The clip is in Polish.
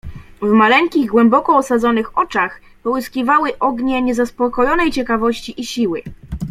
"W maleńkich głęboko osadzonych oczach połyskiwały ognie niezaspokojonej ciekawości i siły."